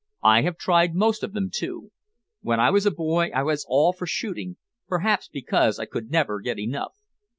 I have tried most of them, too. When I was a boy I was all for shooting, perhaps because I could never get enough.